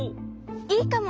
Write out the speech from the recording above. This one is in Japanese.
いいかも！